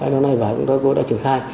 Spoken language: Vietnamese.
năm nay chúng ta cũng đã triển khai